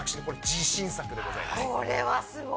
これ自信作でございます。